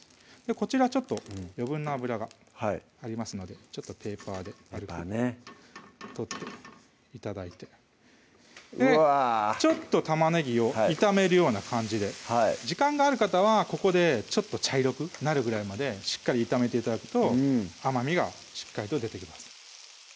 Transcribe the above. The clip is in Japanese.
こちらちょっと余分な油がありますのでちょっとペーパーでペーパーね取って頂いてちょっと玉ねぎを炒めるような感じで時間がある方はここでちょっと茶色くなるぐらいまでしっかり炒めて頂くと甘みがしっかりと出てきます